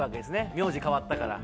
名前が変わったから。